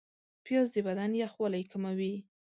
پیاز د بدن یخوالی کموي